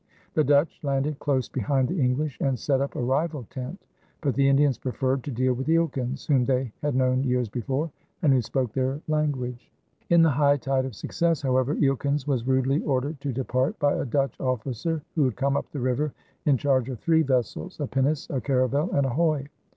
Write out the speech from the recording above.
The Dutch landed close beside the English and set up a rival tent; but the Indians preferred to deal with Eelkens, whom they had known years before and who spoke their language. In the high tide of success, however, Eelkens was rudely ordered to depart by a Dutch officer who had come up the river in charge of three vessels, a pinnace, a caravel, and a hoy.